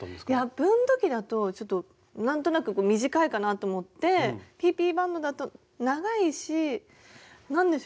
分度器だとちょっと何となく短いかなと思ってＰＰバンドだと長いし何でしょう。